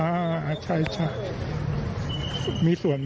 เห็นว่าทีนี้จะเป็นวันนี้ครบครับ